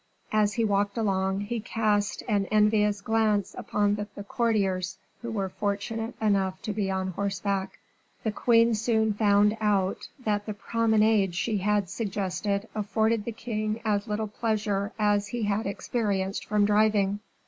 As he walked along, he cast an envious glance upon the courtiers, who were fortunate enough to be on horseback. The queen soon found out that the promenade she had suggested afforded the king as little pleasure as he had experienced from driving.